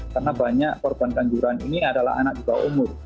karena banyak perban ganjuran ini adalah anak juga umur